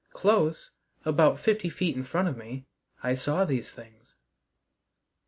Close, about fifty feet in front of me, I saw these things.